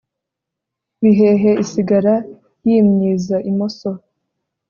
bihehe isigara yimyiza imoso